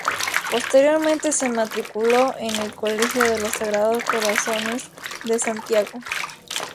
Posteriormente se matriculó en el Colegio de los Sagrados Corazones de Santiago.